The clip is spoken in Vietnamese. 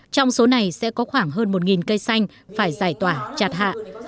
trong số này sẽ có khoảng hơn một cây xanh phải giải tỏa chặt hạ